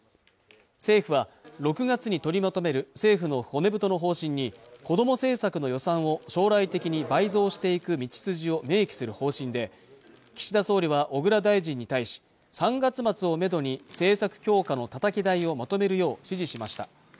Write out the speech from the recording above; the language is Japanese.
政府は６月に取りまとめる政府の骨太の方針にこども政策の予算を将来的に倍増していく道筋を明記する方針で岸田総理は小倉大臣に対し３月末をめどに政策強化のたたき台をまとめるよう指示しました